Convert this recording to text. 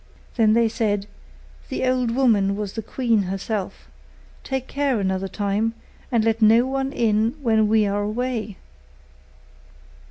Then they said, 'The old woman was the queen herself; take care another time, and let no one in when we are away.